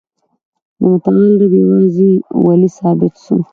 د متعال رب یوازي والی ثابت سو.